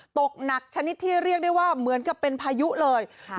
ตกหนักชนิดที่เรียกได้ว่าเหมือนกับเป็นพายุเลย